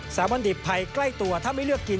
บัณฑิตภัยใกล้ตัวถ้าไม่เลือกกิน